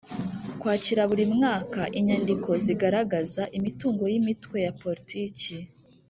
Kwakira buri mwaka inyandiko zigaragaza imitungo y’ Imitwe ya Politiki